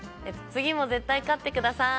次も絶対勝ってください！